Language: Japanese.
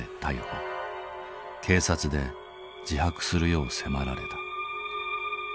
警察で自白するよう迫られた。